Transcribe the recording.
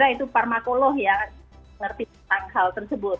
saya itu parmakolog ya ngerti tentang hal tersebut